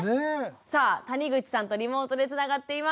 さあ谷口さんとリモートでつながっています。